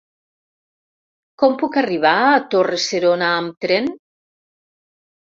Com puc arribar a Torre-serona amb tren?